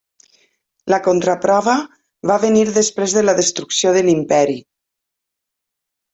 La contraprova va venir després de la destrucció de l'Imperi.